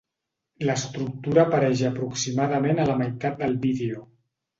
L'estructura apareix aproximadament a la meitat del vídeo.